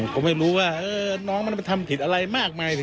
ผมไม่รู้ว่าน้องมันไปทำผิดอะไรมากมาย